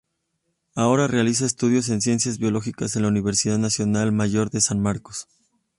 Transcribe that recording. Aurora realizó estudios en Ciencias Biológicas en la Universidad Nacional Mayor de San Marcos.